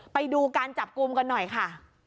ไปดูการจับกลุ่มกันหน่อยค่ะ